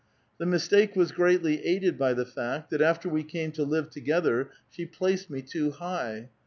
The mistake was greatly aided by the fact that after we came to live to gether, she placed me too high.